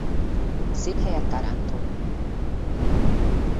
Székhelye Taranto.